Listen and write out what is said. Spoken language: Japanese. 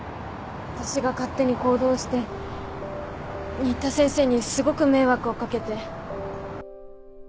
私が勝手に行動して新田先生にすごく迷惑を掛けて。